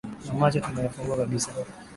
Na macho tumeyafungua kabisa